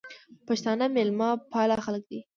پښتانه میلمه پاله خلک دي